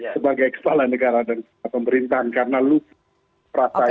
sebagai kepala negara dan kepala pemerintahan karena lupa perasaan itu